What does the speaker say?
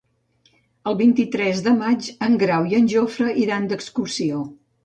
El vint-i-tres de maig en Grau i en Jofre iran d'excursió.